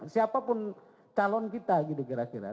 siapapun calon kita gitu kira kira